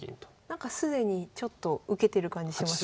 なんか既にちょっと受けてる感じしますね。